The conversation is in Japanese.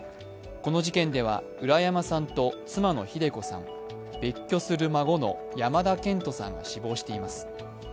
この事件では浦山さんと妻の秀子さん、別居する孫の山田健人さんが死亡しています。